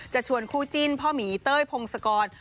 ชวนคู่จิ้นพ่อหมีเต้ยพงศกร